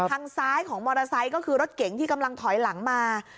ทางซ้ายของมอเตอร์ไซค์ก็คือรถเก๋งที่กำลังถอยหลังมา